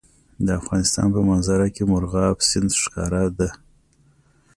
د افغانستان په منظره کې مورغاب سیند ښکاره ده.